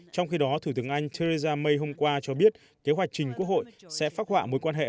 trong khi đó thủ tướng anh theresa may hôm qua cho biết kế hoạch trình quốc hội sẽ phác họa mối quan hệ